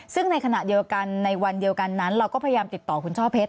ซึ่งในขณะเดียวกันในวันเดียวกันนั้นเราก็พยายามติดต่อคุณช่อเพชร